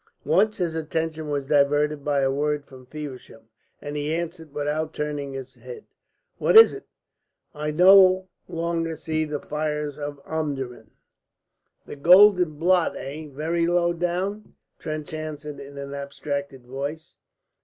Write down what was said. Once his attention was diverted by a word from Feversham, and he answered without turning his head: "What is it?" "I no longer see the fires of Omdurman." "The golden blot, eh, very low down?" Trench answered in an abstracted voice.